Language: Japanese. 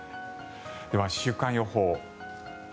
では週間予報。